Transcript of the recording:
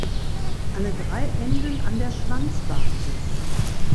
Alle drei enden an der Schwanzbasis.